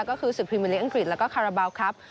ก็คือศึกพรีเมอร์ลีกอังกฤษแล้วก็คาราบาลครับ